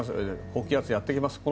高気圧がやってきます。